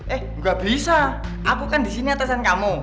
eh gabisa aku kan disini atasan kamu